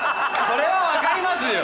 それはわかりますよ！